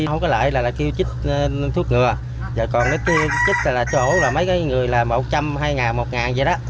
không có lợi là kêu chích thuốc ngừa còn kêu chích là chỗ mấy người là một trăm hai mươi một vậy đó